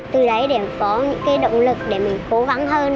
từ đấy để có những cái động lực để mình cố gắng hơn